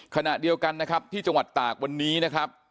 ขณะเดียวกันนะครับที่จังหวัดตากวันนี้นะครับ